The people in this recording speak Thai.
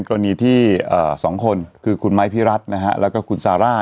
กรณีที่สองคนคือคุณอฮีรัทและคุณซาร่า